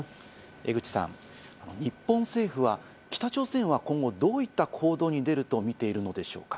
江口さん、日本政府は北朝鮮は今後、どういった行動に出ると見ているのでしょうか？